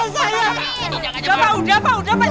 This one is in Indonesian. udah pak udah pak udah pak